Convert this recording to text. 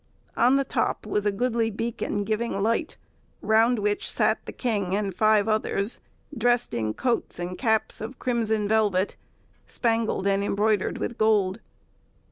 On the top was a goodly beacon giving light, round which sat the king and five others, dressed in coats and caps of crimson velvet, spangled and embroidered with gold.